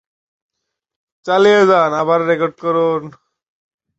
এই গল্পটি সারা ইরানের সংবাদপত্রে প্রকাশিত হয়েছিল।